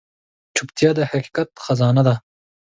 چوپتیا، د حقیقت خزانه ده.